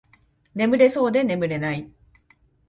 眠れそうで眠れない